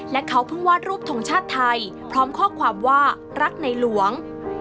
และเขาเพิ่งวาดรูปทงชาติไทยพร้อมข้อความว่ารักในหลวง